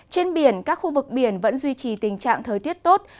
trên biển các khu vực biển vẫn duy trì tình trạng thời tiết tốt